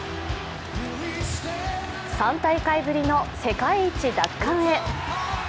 ３大会ぶりの世界一奪還へ。